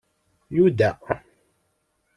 Yuda